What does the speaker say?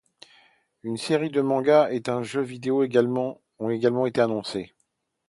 Une série de mangas et un jeu vidéo ont également été annoncés.